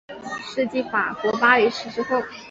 是继法国巴黎市之后。